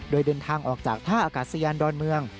โดยเดินทางออกจากท่าอากาศยานดอนเมือง